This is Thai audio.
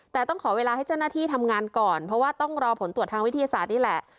แต่ต้องขอเวลาให้เจ้าหน้าที่ทำงานก่อนเพราะว่าต้องรอผลตรวจทางวิทยาศาสตร์นี่แหละ